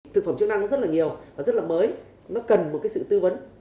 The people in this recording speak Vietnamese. thực phẩm chức năng rất là nhiều và rất là mới nó cần một sự tư vấn